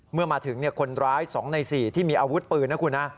เมื่อมาถึงคนร้าย๒ใน๔ที่มีอาวุธปืนนะคุณนะ